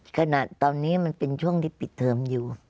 ขณะตอนนี้มันเป็นช่วงที่ปิดเทอมอยู่